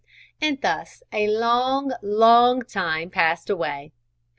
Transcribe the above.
And thus a long, long time passed away.